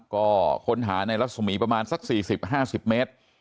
ก็ค้นหาในรัศมีประมาณสัก๔๐๕๐เมตร